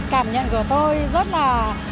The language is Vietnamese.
cảm nhận của tôi rất là